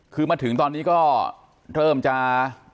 คือมาถึงตอนนี้ก็เริ่มจะ